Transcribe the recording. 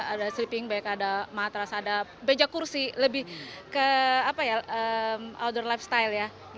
ada sleeping back ada matras ada beja kursi lebih ke outdoor lifestyle ya